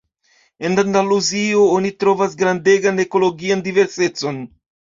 En Andaluzio, oni trovas grandegan ekologian diversecon.